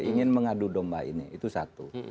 ingin mengadu domba ini itu satu